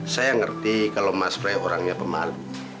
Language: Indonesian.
saya ngerti kalau mas pray orangnya pemalu